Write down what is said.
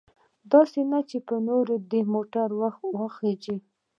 داسې نه چې پر نورو دې موټر وخیژوي.